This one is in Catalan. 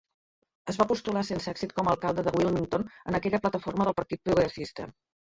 Es va postular sense èxit com a alcalde de Wilmington en aquella plataforma del Partit Progressista.